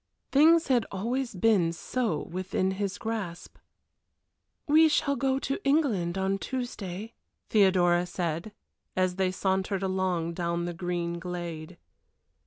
Things had always been so within his grasp. "We shall go to England on Tuesday," Theodora said, as they sauntered along down the green glade.